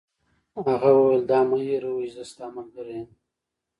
هغه وویل: دا مه هیروئ چي زه ستا ملګری یم.